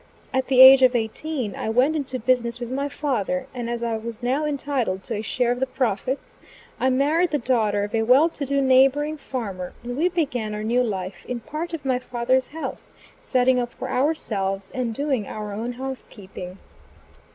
At the age of eighteen, I went into business with my father, and as I was now entitled to a share of the profits, I married the daughter of a well to do neighboring farmer, and we began our new life in part of my father's house, setting up for ourselves, and doing our own house keeping.